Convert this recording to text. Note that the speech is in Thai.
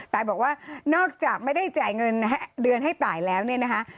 ตายบอกว่านอกจากไม่ได้จ่ายเงินเดือนให้ตายแล้วเนี่ยนะคะ